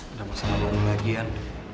ada masalah baru lagi an